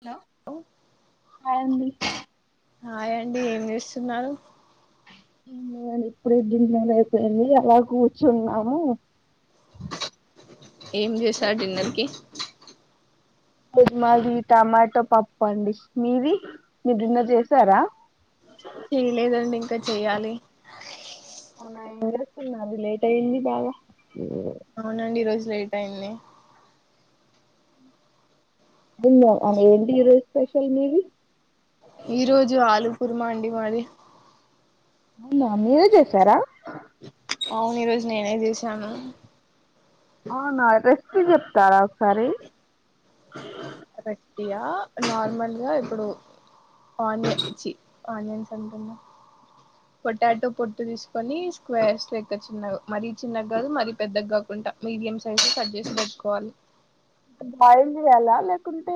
Hello hi అండి హాయండి ఏం చేస్తున్నారు ఏం లేదు అండి ఇప్పుడే డిన్నర్ అయిపోయింది అలా కూర్చున్నాము ఏం చేసారు డిన్నర్ కి మాది టమాటో పప్పు అండి మీది మీరున్నర్ చేసారా చేయలేదండి ఇంకా చెయ్యాలి అవున ఏం చేస్తున్నారు లేట్ అయింది బాగా అవునండి ఈ రోజు లేట్ అయింది డిన్నర్ ఏంటి ఈరోజు స్పెషల్ మీది ఈ రోజు ఆలు కుర్మా అండి మాది అవునా మీరే చేసారా అవును ఈరోజ నేనేచేసి నను కి చెప్తారా ఒకసారి అ యా నార్మల్గా ఇప్పుడు ఆనియన్ ఆనియన్స్ అంటున్నా పొటాటో పొట్టు తీసుకొని స్క్వేర్స్ లెక్క చిన్నగా మరీ చిన్న కాదు మరీ పెద్దగా కాకుండా మీడియం సైజ్ కట్ చేసి పెట్టుకోవాలి బాయిల్ చేయాలా లేకుంటే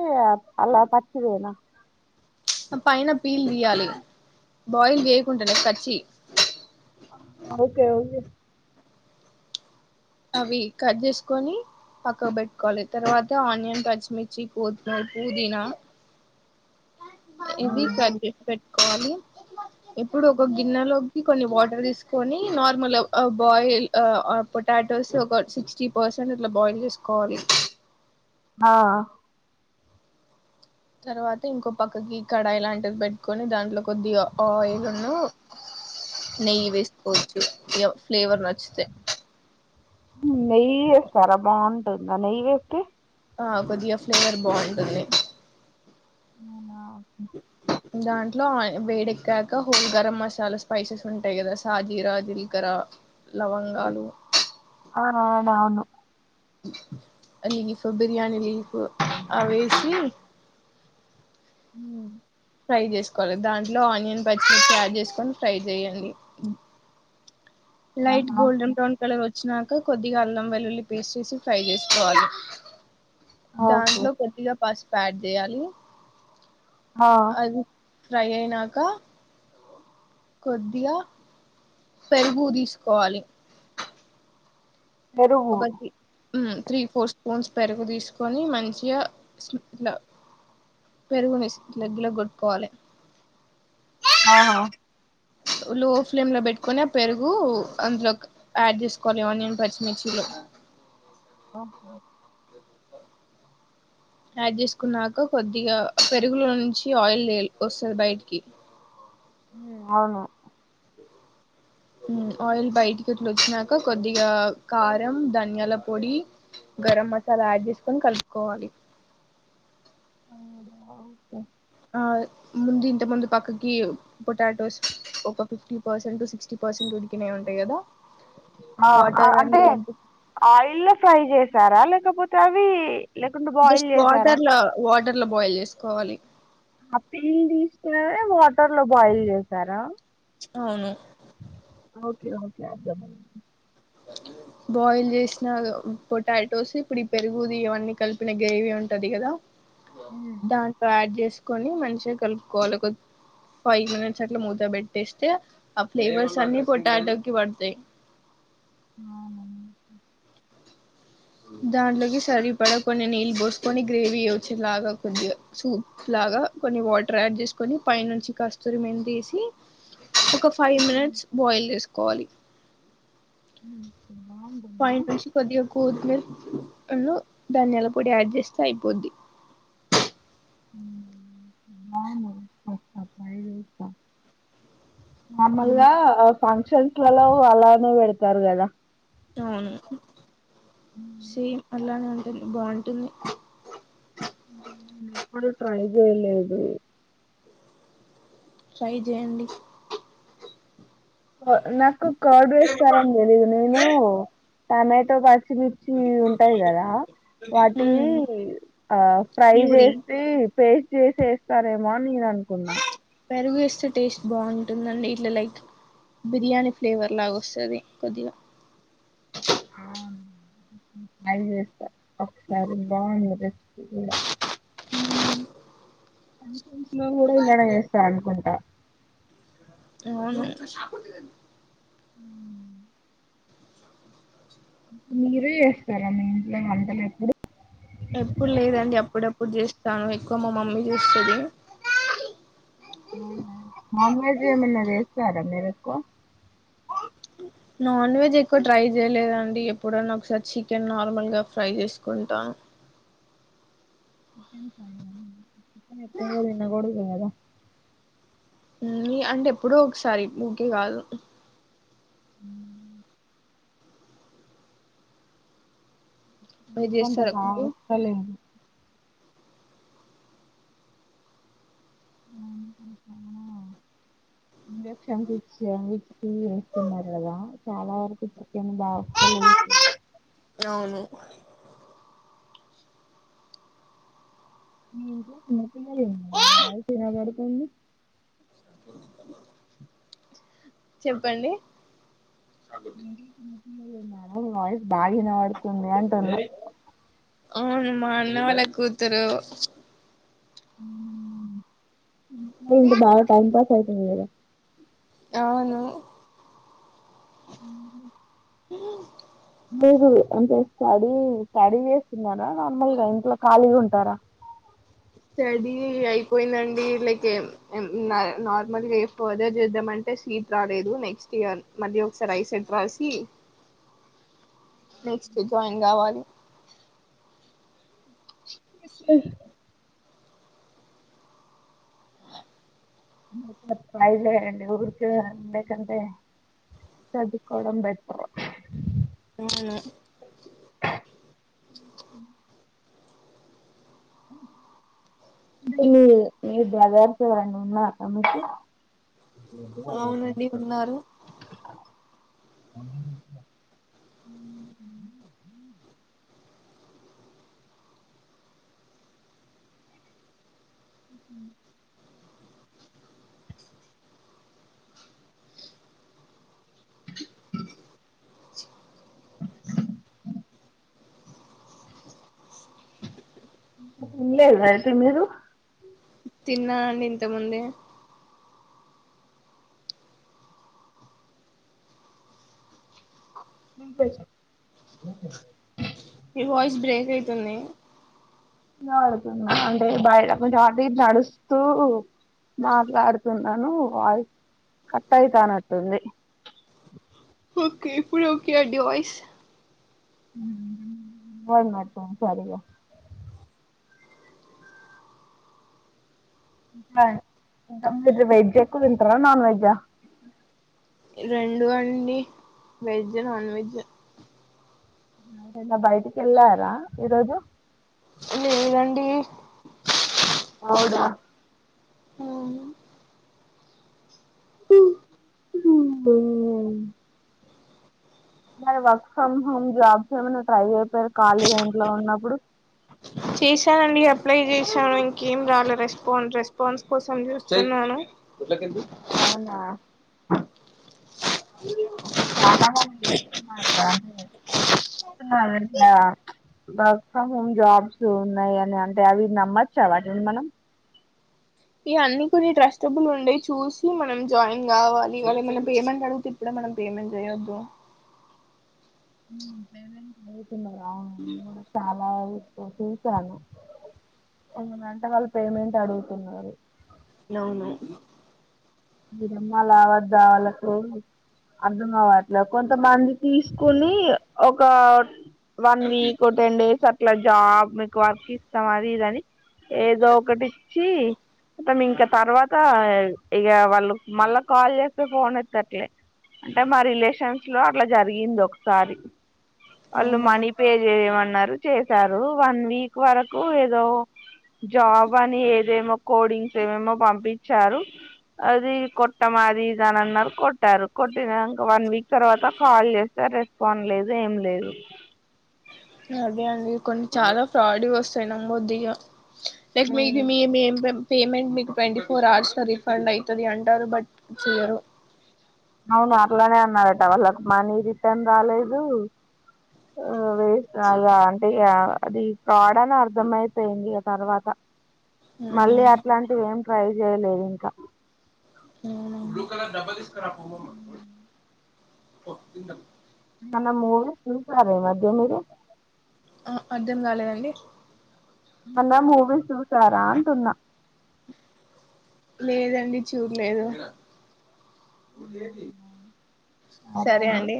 అలా పచ్చిదేనా ఆ పైన పీలు తీయాలి బాయిల్ చేయకుంటడానే పచ్చి ఓకే ఓకే అవి కట్ చేసుకొని పక్కకు పెట్టుకోవాలి తర్వాత ఆనియన్ పచ్చిమిర్చి కొత్తిమీర పుదీనా ఇవి కడిగ్ పెట్ కోవాలి ఇప్పుడు ఒక గిన్నెలోకి కొన్ని వాటర్ తీసుకొని నార్మల్ ఆ బాయిల్ ఆ పొటాటోస్ ఒక సిక్స్టీ పర్సెంట్ అట్లా బాయిల్ చేసుకోవాలి ఆ అ తర్వాత ఇంకో పక్కకి కడాయి లాంటిది పెట్టుకొని దాంట్లో కొద్దిగ ఆయిల్ ను నెయ్యి వేసుకోవచ్చు ఫ్లేవర్ నచ్చితే. హ్మ్ నెయ్యి వేస్తారా బాగుంటు దా నెయ్యి వేస్తే ఆ కొద్దిగా ఫ్లేవర్ బాగుంటుంది అవునా ఓకే. దాంట్లో ఆయిల్ వేడెక్కక హోల్ గరం మసాలా స్పైసెస్ ఉంటాయి కదా సాజీర జిలకర లవంగాలు ఆ అ అవును అవును లీఫ్ బిర్యానీ లీఫ్ అవేసి హ్మ్ ఫ్రై చేసుకోవాలి దాంట్లో ఆనియన్ పచ్చిమిర్చి యాడ్ చేసుకొని ఫ్రై చేయయండి లైట్ ఆహా ఓకే గోల్డెన్ బ్రౌన్ కలర్ వచ్ వేసినాక కొద్దిగా అల్లం వెల్లుల్లి పేస్ట్ వేసి ఫ్రై చేసుకోవాలి ఓకే. దాంట్లో కొద్దిగా పస్ప్ పు యాడ్ చేయాలి హ అది ఫ్రై అయినాక కొద్దిగ పెరుగు తీసుకోవాలి పెరుగు హ్మ్ త్రీ ఫోర్ స్పూన్స్ పెరుగు తీసుకొని మంచిగ ఇట్ల పెరుగు వేసు మిక్స్ లెగ్గులో కొట్టుకోవాలే ఆ హ లో ఫ్లేమ్ లో పెట్టుకొని ఆ పెరుగు అందులోకి యాడ్ చేసుకోలి ఆనియన్ పచ్చిమిర్చిలో ఆ యాడ్ చేసుకున్నాక కొద్దిగా పెరుగులో నుంచి ఆయిల్ లేల్ వస్తుంది బయటికి హ్మ్ అవును మ్ ఆయిల్ బయటికిట్లా వచ్చినాక కొద్దిగా కారం ధనియాలపొడి గరం మసాలా యాడ్ చేసుకొని కలుపుకోవాలి అవు వుక ఆ ముంది ఇంతకు ముందు పక్కకి పొటాటోస్ ఒక ఫిఫ్టీ పర్సెంట్, సిక్స్టీ పర్సెంట్ ఉడికినయి ఉంటాయి కదా. ఆ అ వాటర్ అంటే అన్ని పంపి ఆయిల్లొ ఫ్రై చేస్ తారా లేకపోతే అవీ జస్ట్ వాటర్ లో వాట్ టర్లో బాయిల్ చేసుకోవాలి ఆ పిల్ తీసుకునే వాటర్ లో బాయిల్ చేశారా? అవును ఓకే ఓకే అర్థం అయింది. బాయిల్ చేసిన పొటాటోస్ ఇప్పుడు ఈ పెరుగుది ఇవన్నీ కలిపిన గ్రేవీ ఉంటది కదా హ్మ్ దాంట్లో యాడ్ చేసు కొని మంచిగా కలుపుకోవాలి. ఒక ఫైవ్ మినిట్స్ అట్ల మూత పెట్టేస్తే, ఆ ఫ్లేవర్స్ అన్ని పొటాటోకిి పడ్తయి. అవునా దాంట్లోకి సరిపడ కొన్ని నీళ్ళు బోసుకొని గ్రేవీ వచ్చే లాగా కొద్దిగ సూప్ లాగ కొన్ని వాటర్ యాడ్ చేసుకొని పై నుంచి కస్తూరి మెంతి ఏసి, ఒక ఫైవ్ మినిట్స్ బాయిల్ చేసుకొ కొవాలి మ్మ్ పైంట్ నుంచి కోత్మీర్ ను ధనియాల పొడి యాడ్ చేస్తే అయిపోద్ది మ్మూ బావున్నయి చేస్తా ట్రై చేస్తా నార్మల్గా ఫంక్షన్స్ ట్లలో అలానే పెడుతారు కదా అవును సేమ్ అలానే ఉంటుంది బావు టుంది మ్మ్ ఎప్పుడు ట్రై చెయ్యలేదు. ట్రై చెయ్యండి అ నాకు కర్డ్ వేస్తారు అని తెలియదు నేను టమాటో ప చ్చి మిర్చి ఉంటాయి కదా, వాటి మ్మ్. ఆ ఫ్రై ప్యూరీ చేస్తే పే చేసి ఏస్తారేమో అని నేను అనుకున్నా. పెరుగు ఏస్తే టేస్ట్ బాగుంటుందండి ఇట్ల లైక్ బిర్యానీ ఫ్లేవర్ లాగా వస్తది కొద్దిగా. ఆ అది చేస్తా ఒకసారి బాగున్నదే [inaudible] ఫంక్షన్స్ లో కూడా ఇలానే చేస్తారనుకుంటా. అవును మీరే చేస్తారా మీ ఇంట్లో వంటలు ఎప్పుడు ఎప్పుడు లేదండి అప్పుడప్పుడు చేస్తా ఎక్కువ మా మమ్మీ చేస్తదీ. అవునా నాన్ వెజ్ ఏమన్నా చేస్తారా మీరు ఎక్కువ నాన్ వెజ్ ఎక్కువ ట్రై చేయలేదండి ఎప్పుడన్నా ఒకసారి చికెన్ నార్మల్గా ఫ్రై చేసుకుంటాను చ ఫై చన్ ఎ పోన్న కూడ పోదా [inaudible] నీ అంటే ఎప్పుడూ ఒకసారి ఊకే కాదు మీరు అంత చేస్తారా బాగా కుకింగ్ వస్తలే చాల ఇంజక్షన్ ఇచ్చి వేస్తున్నారు కదా చాలా వరకు చికెన్ బాగాలే అవును మీ ఇంట్లో చిన్న పిల్లలు ఉన్నారా వాయిస్ వినపడుతుంది చెప్పండి ఉ వావ్ వాయిస్ బాగా వినవాడు తుంది అంటున్న అవును మా అన్న వాళ్ళ కూతురు ఉంటే బాగా టైంపాస్ ఐతది కదా అవును ఉం మీరు అంటే స్టడీ స్టడీ చేస్తున్నారా నార్మల్ గా ఇంట్ల కాలిగా ఉంటారా స్టడీ అయిపోయిందండి లైక్ నార్మల్గా ఫర్ దర్ చేద్దామంటే సీట్ రాలేదు నెక్స్ట్ ఇయర్ మళ్ళీ ఒకసారి ఐసెట్ రాసి నెక్స్ట్ జాయిన్ కావాలి ఉ మాయేలే అండి ఊర్కి అకంతే చదుకోడం బెట్టరు అవును ఏ మీ బజార్ కు ఎవ్వరన్నా ఉన్నారా మీకు ఉన్నారు చదువు అవునండి తున్నారు ఉన్నారు తిన్లేదా అయితే మీరు తిన్నాను అండి ఇంత ముందే ఉమ్ బెచు మీ వాయిస్ బ్రేక్ అయితుంది ఆడుతున్నా అంటే బయట కొంచెం అటు ఇటు నడుస్తూ మాట్లాడుతున్నాను వాయిస్ కట్ ఐత నట్టుంది ఓకే ఇప్పుడు ఓకే అండి వయిస్ వాన ఆతాంది సడిగా మా వెజ్ ఎక్కువ తింటారా నాన్ వెజా రెండు అండి వెజ్ నాన్ వెజ్ అంటే నా బయటికి ఏలారా ఈ రోజు లేదండి అవుడా మరి వర్క్ ఫ్రమ్ హోమ్ జాబ్స్ ఏమన్నా ట్రై చేయ పోయారు ఖాళీగా ఇంట్లో ఉన్నప్పుడు చేశానండి అప్లై చేశాను ఇంకేం రాలే రెస్పా రెస్పాన్స్ కోసం చూస్తున్నాను అవునా ఇప్పుడు చాలా మంది చేస్తున్నారు వర్క్ ఫ్రమ్ హోమ్ జాబ్స్ ఉన్నాయి అని అంటే అవి నమ్మచ్చా వాటి మనం ఈ అన్ని కొన్ని ట్రస్టబులు ఉండేయి చూసి మనం జాయిన్ కావాలి వాళ్లు ఏమైనా పేమెంట్ అడిగితే ఇప్పుడే మనం పేమెంట్ చేయొద్దు పేమెంట్ అడుగుతున్నారా ఉమ్ అలా చూసాను కొన్ని గంట వాళ్ళు పేమెంట్ అడుగుతున్నారు నవునాయ్ మీదమ్మా వద్ద్ వాళ్ళకు అర్ధం కావట్లే కొంతమంది తీసుకుని ఒక వన్ వీక్ టెన్ డేస్ [unintelligible] ఇట్లా జాబ్ మీకు వర్క్ ఇస్తాం అది ఇద అని ఏదో ఒకటి ఇచ్చి ఇంకా తర్వాత ఇక [unintelligible] వాళ్ మళ్ళా కాల్ చేస్తే ఫోన్ ఎత్తట్లే అంటే మా రిలేషన్స్ లో అట్లా జరిగింది ఒకసారి అలు అవునా మనీ పేజ ఏమన్నారు చేశారు వన్ వీక్ వరకు ఏదో జాబ్ అని ఏదేమో కోడింగ్స్ ఏమేమో పంపించారు అది కొట్టమాది అది ఇది అన్నారు కొట్టారు కొట్టినాంక వన్ వీక్ తర్వాత కాల్ చేస్తే రెస్పాండ్ లేదు ఏం లేదు అదే అండి కొన్ని చాలా ఫ్రాడ్ వస్తాయి నమదు ఇగ కొద్దిగా [unintelligible] పేమెంట్ మీకు ట్వంటీ ఫోర్ అవర్స్లో రీఫండ్ అవుతుంది అంటారు బట్ చేయరు అవును అట్లానే అన్నారట వాళ్ళకు మనీ రిటర్న్ రాలేదు వేస్ట్ అ అంటే అది ఫ్రాడ్ అని అర్ధ అయిపోయింది ఆ తర్వాత మళ్ళీ అట్లాంటివి ఏం ట్రై చేయలేదు ఇంకా [unintelligible] [unintelligible] తన [unintelligible] చూసారా ఈ మధ్య మీరు అర్థం కాలేదండి అన్న మూవీ చూసారా అంటున్నా లేదండి చూడలేదు సరే అండి